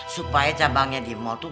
supaya jambangnya di mall tuh